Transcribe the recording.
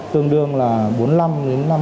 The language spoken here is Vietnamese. tương đương là bốn mươi năm năm mươi một bao